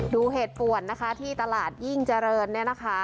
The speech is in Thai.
ดูเหตุป่วนนะคะที่ตลาดยิ่งเจริญเนี่ยนะคะ